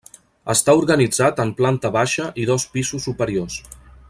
Està organitzat en planta baixa i dos pisos superiors.